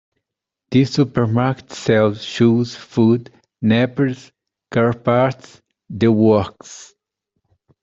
This supermarket sells shoes, food, nappies, car parts... the works!.